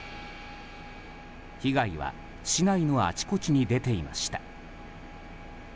被害は市内のあちこちに出ていました。